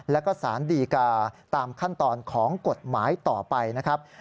แล้วก็สารดีกาตามขั้นตอนของกฎหมายต่อไปนะครับ